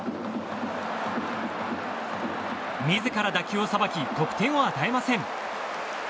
自ら打球をさばき得点を与えません。